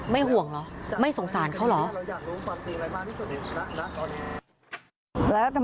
ห่วงเหรอไม่สงสารเขาเหรอ